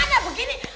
begini ayo malu tau